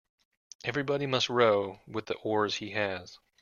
Everybody must row with the oars he has.